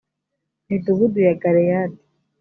midugudu y i galeyadi